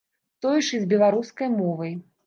Тое ж і з беларускай мовай.